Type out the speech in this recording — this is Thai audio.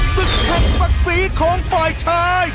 ศึกแห่งศักดิ์ศรีของฝ่ายชาย